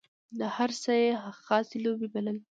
دا هر څه یې خاصې لوبې بلل.